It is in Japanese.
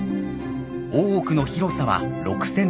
大奥の広さは６，０００坪。